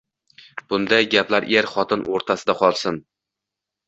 Bunday gaplar er-xotin o‘rtasida qolsin.